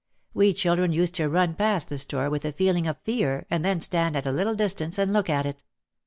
We children used to run past the store with a feeling of fear and then stand at a little distance and look at it.